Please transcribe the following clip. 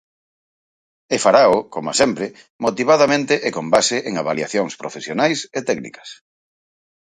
E farao, coma sempre, motivadamente e con base en avaliacións profesionais e técnicas.